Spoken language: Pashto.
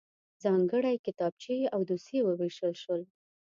ځانګړی کتابچې او دوسيې وویشل شول.